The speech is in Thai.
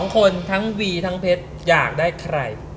๒คนทั้งวีทั้งเพชรอยากได้ใคร